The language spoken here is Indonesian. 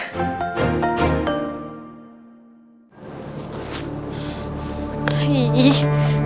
gelap banget sih